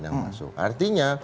yang masuk artinya